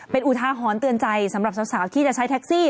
เป็นอุทาหรณ์เตือนใจสำหรับสาวที่จะใช้แท็กซี่